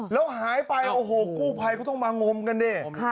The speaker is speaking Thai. แล้วหายไปกู้ภัยก็ต้องมางมกันเนี่ย